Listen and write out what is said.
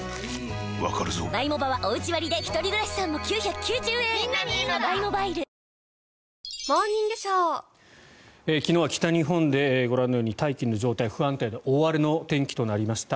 わかるぞ昨日は北日本でご覧のように大気の状態が不安定で大荒れの天気となりました。